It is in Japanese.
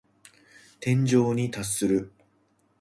天井に達する。